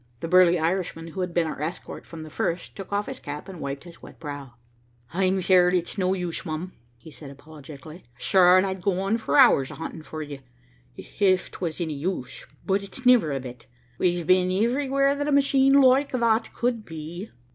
The burly Irishman who had been our escort from the first took off his cap and wiped his wet brow. "I'm feared it's no use, mum," he said apologetically. "Shure and I'd go on fer hours huntin' fer you, if 'twas anny use, but it's niver a bit. We've been iverywhere that a machine loike thot could be."